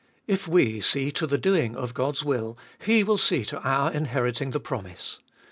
If we see to the doing of God's will, He will see to our inheriting the promise.